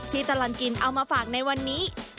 ตลอดกินเอามาฝากในวันนี้